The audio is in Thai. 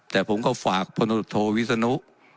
แต่ผมก็ฝากพนธวิสนุก